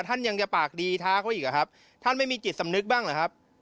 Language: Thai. ท่านยังจะปากดีท้าเขาอีกอะครับท่านไม่มีจิตสำนึกบ้างเหรอครับ